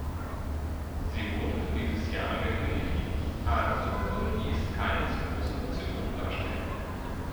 Sie wurde für dieses Jahr angekündigt, also würde dies keine zu große Verzögerung darstellen.